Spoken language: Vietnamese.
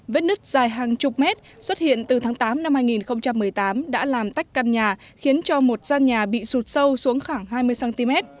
vết nứt dài hàng chục mét xuất hiện từ tháng tám năm hai nghìn một mươi tám đã làm tách căn nhà khiến cho một gian nhà bị sụt sâu xuống khoảng hai mươi cm